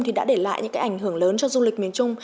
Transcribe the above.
thì đã để lại những cái ảnh hưởng lớn cho du lịch miền trung